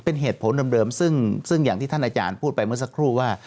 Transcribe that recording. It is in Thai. เป็นเหตุผลเดิมซึ่งอย่างที่ท่านอาจารย์พูดไปเมื่อสักครู่ว่า